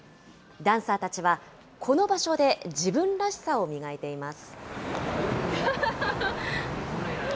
ダンサーたちはこの場所で自分らしさを磨いています。